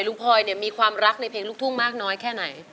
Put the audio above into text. คุณพอยมีความรักในเพลงลุกทุ้งมากน้อยแค่ไหน